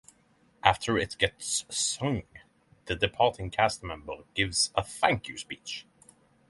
After it gets sung, the departing cast member gives a thank you speech.